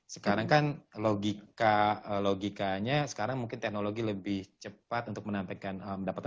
sekarang kan logikanya sekarang mungkin teknologi lebih cepat untuk menampikkan mendapatkan